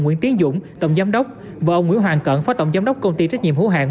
nguyễn tiến dũng tổng giám đốc và ông nguyễn hoàng cẩn phó tổng giám đốc công ty trách nhiệm hữu hạng